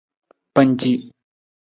Panci.